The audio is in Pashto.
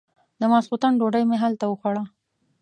د ماسختن ډوډۍ مې هلته وخوړه.